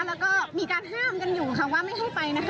แล้วก็มีการห้ามกันอยู่ค่ะว่าไม่ให้ไปนะคะ